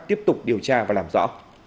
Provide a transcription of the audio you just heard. tiếp tục điều tra và làm rõ